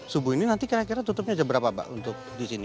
subuh ini nanti kira kira tutupnya jam berapa pak untuk di sini